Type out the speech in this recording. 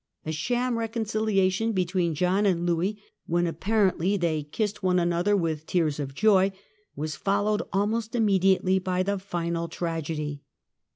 A sham reconciliation be tween John and Louis, when apparently "they kissed one another with tears of joy," was followed almost immediately by the final tragedy.